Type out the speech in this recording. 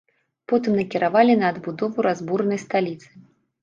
Потым накіравалі на адбудову разбуранай сталіцы.